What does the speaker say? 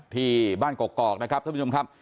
ที่บ้านกอกนะครับท่านผู้ชมครับ